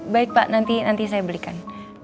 baik pak nanti nanti saya belikan